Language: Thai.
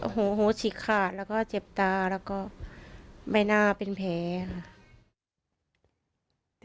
โอ้โฮโอ้โฮฉีกค่ะแล้วก็เจ็บตาแล้วก็ใบหน้าเป็นแผลค่ะ